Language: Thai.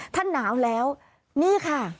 ถ้าหนาวแล้วนี่ค่ะ